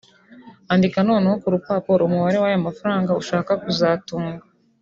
Andika noneho ku rupapuro umubare wa ya mafaranga ushaka kuzatunga